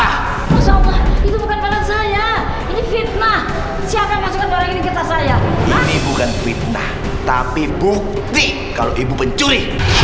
hai allah enggak enggak bukan bukan saya